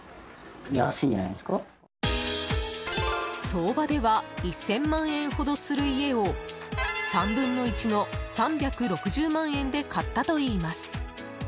相場では１０００万円ほどする家を３分の１の３６０万円で買ったといいます。